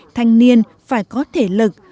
thanh niên phải có thể lực